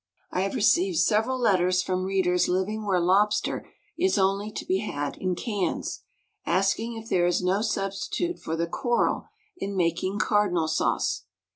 I have received several letters from readers living where lobster is only to be had in cans, asking if there is no substitute for the coral in making cardinal sauce.